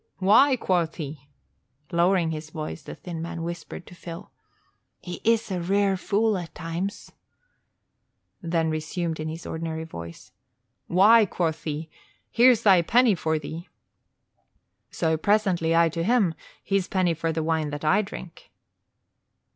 'Why,' quoth he," lowering his voice, the thin man whispered to Phil, "He is a rare fool at times," then resumed in his ordinary voice, "'Why,' quoth he, 'here's thy penny for thee.' So, presently, I to him: his penny for the wine that I drink.